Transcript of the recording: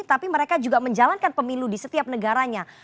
tapi mereka juga menjalankan pemilu di setiap negaranya